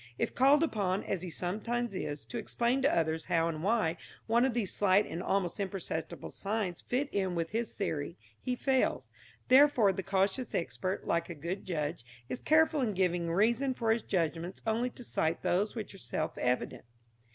If called upon, as he sometimes is, to explain to others how and why one of these slight and almost imperceptible signs fit in with his theory, he fails. Therefore the cautious expert, like a good judge, is careful in giving reasons for his judgment only to cite those which are self evident.